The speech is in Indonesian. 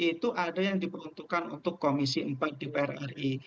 itu ada yang diperuntukkan untuk komisi empat dpr ri